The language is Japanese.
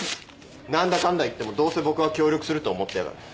何だかんだいってもどうせ僕は協力すると思ってやがる。